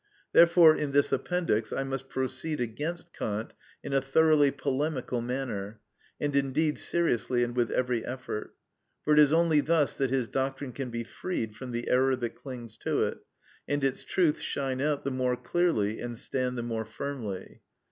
Therefore in this Appendix I must proceed against Kant in a thoroughly polemical manner, and indeed seriously and with every effort; for it is only thus that his doctrine can be freed from the error that clings to it, and its truth shine out the more clearly and stand the more firmly.